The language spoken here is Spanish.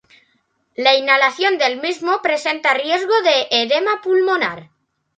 La inhalación del mismo presenta riesgo de edema pulmonar.